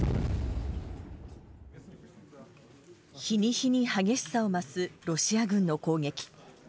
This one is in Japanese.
日に日に激しさを増すロシア軍の攻撃。